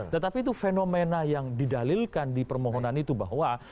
tetapi itu fenomena yang didalilkan di permohonan itu bahwa